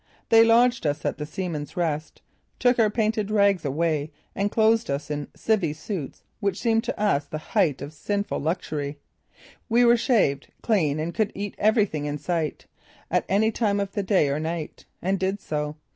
They lodged us at the Seaman's Rest, took our painted rags away and clothed us in blue "civvie" suits which seemed to us the height of sinful luxury. We were shaved, clean and could eat everything in sight, at any time of the day or night. And did so.